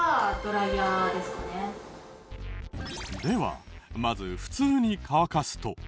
ではまず普通に乾かすと。